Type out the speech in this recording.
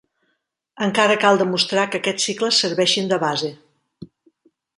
Encara cal demostrar que aquests cicles serveixin de base.